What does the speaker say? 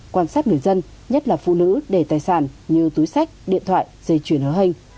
quan sát người dân nhất là phụ nữ để tài sản như túi sách điện thoại dây chuyển hớ hình